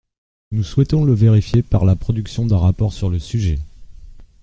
Nous souhaitons le vérifier par la production d’un rapport sur le sujet.